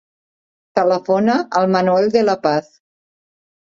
Telefona al Manuel De La Paz.